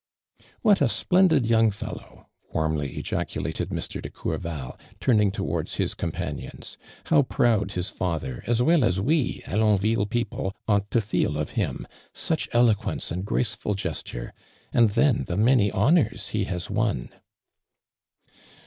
" What a .■.i)lendi(i young fellow !" warmly ejaculated Mr. de Courval, turning towards his companions. "Ifow ]iroiid his father, as well as we, Alonville i)eo[)le. ought to feel of him ! Such elo(juence and graceful ges ture, and then the many honors he has won."